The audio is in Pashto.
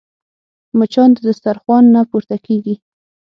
مچان د دسترخوان نه پورته کېږي